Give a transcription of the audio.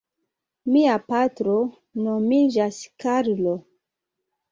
Mia patro nomiĝas Karlo.